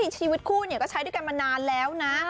ชีวิตคู่ก็ใช้ด้วยกันมานานแล้วนะ